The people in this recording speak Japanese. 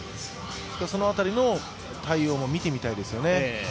その辺りの対応も見てみたいですよね。